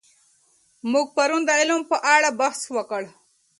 موږ پرون د علم په اړه بحث وکړ.